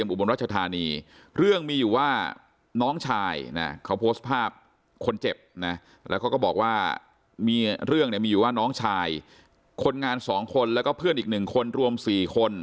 อเมืองโขงเจียมอุบันรัชภนีเรื่องมีอยู่ว่าน้องชายนะเขา